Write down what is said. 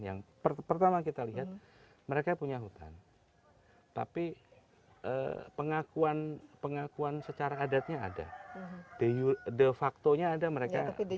yang pertama kita lihat mereka punya hutan tapi pengakuan secara adatnya ada de facto nya ada mereka diakui